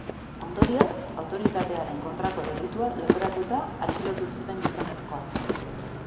Ondorioz, autoritatearen kontrako delitua leporatuta atxilotu zuten gizonezkoa.